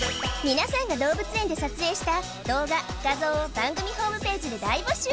みなさんが動物園で撮影した動画画像を番組ホームページで大募集